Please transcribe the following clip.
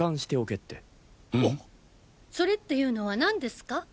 「ソレ」っていうのは何ですか？